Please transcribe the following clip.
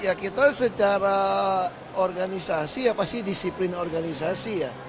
ya kita secara organisasi ya pasti disiplin organisasi ya